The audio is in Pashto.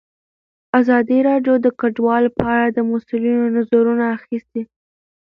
ازادي راډیو د کډوال په اړه د مسؤلینو نظرونه اخیستي.